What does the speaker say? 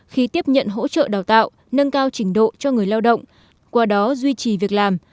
khi tiếp nhận hỗ trợ đào tạo nâng cao trình độ cho người lao động qua đó duy trì việc làm